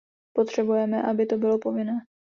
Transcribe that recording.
Potřebujeme, aby to bylo povinné.